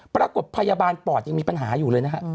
ปรากฏพยาบาลปอดยังมีปัญหาอยู่เลยนะฮะ